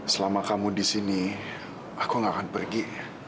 selama kamu di sini aku gak akan pergi